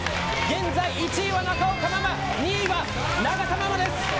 現在、１位は中岡ママ２位が永田ママです。